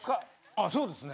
あそうですね。